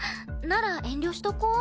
なら遠慮しとこう。